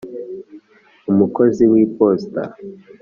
umukozi w'iposita